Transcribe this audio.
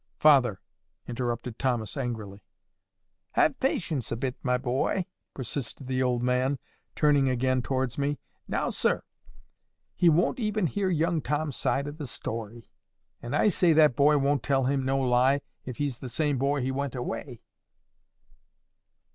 "Father!" interrupted Thomas, angrily. "Have patience a bit, my boy," persisted the old man, turning again towards me.—"Now, sir, he won't even hear young Tom's side of the story; and I say that boy won't tell him no lie if he's the same boy he went away."